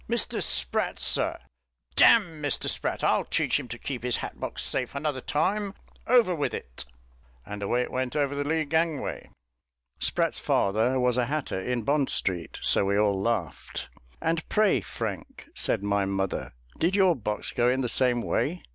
'Mr Spratt's, sir.' 'D n Mr Spratt, I'll teach him to keep his hat box safe another time; over with it' and away it went over the lee gangway. Spratt's father was a hatter in Bond Street, so we all laughed." "And pray, Frank," said my mother, "did your box go in the same way?"